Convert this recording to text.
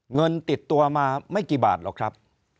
เงินติดตัวมาไม่กี่บาทหรอกครับ